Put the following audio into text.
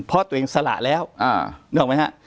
เพราะตัวเองสละแล้วนึกออกไหมฮะ